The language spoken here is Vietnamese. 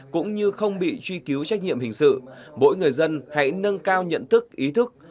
cũng như không bị truy cứu trách nhiệm hình sự mỗi người dân hãy nâng cao nhận thức ý thức